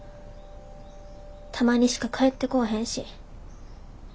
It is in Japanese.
たまにしか帰ってこぉへんし。